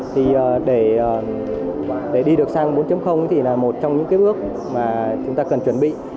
thì để đi được sang bốn thì là một trong những cái bước mà chúng ta cần chuẩn bị